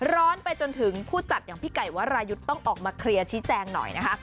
ร้อนไปจนถึงผู้จัดอย่างพี่ไก่วรายุทธ์ต้องออกมาเคลียร์ชี้แจงหน่อยนะคะ